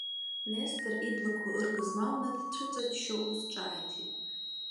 Нестор иблақәа ыргызмалны дцәыҵаччо ус ҿааҭит.